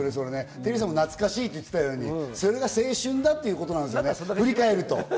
テリーさんも懐かしいって言ったように、それが青春だっていうことなんですよね、振り返ると。